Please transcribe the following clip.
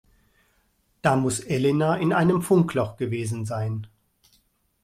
Da muss Elena in einem Funkloch gewesen sein.